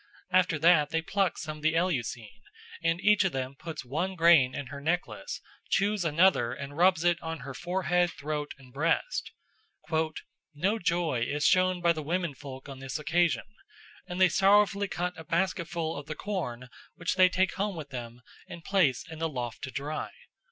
After that they pluck some of the eleusine, and each of them puts one grain in her necklace, chews another and rubs it on her forehead, throat, and breast. "No joy is shown by the womenfolk on this occasion, and they sorrowfully cut a basketful of the corn which they take home with them and place in the loft to dry."